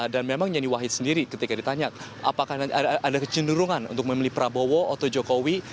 dan memang yeni wakid sendiri ketika ditanya apakah ada kecenderungan untuk memilih prabowo atau jokowi